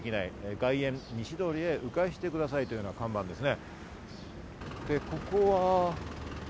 外苑西通りへ迂回してくださいという看板ですね。